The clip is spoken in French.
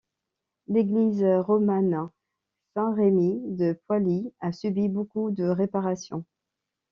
L'église romane Saint-Rémi de Poilly a subi beaucoup de réparations.